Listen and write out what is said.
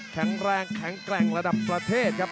แข็งแรงแข็งแกร่งระดับประเทศครับ